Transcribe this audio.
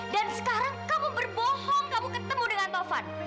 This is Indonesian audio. dan sekarang kamu berbohong kamu ketemu dengan taufan